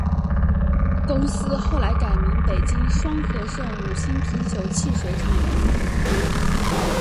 公司后来改名北京双合盛五星啤酒汽水厂。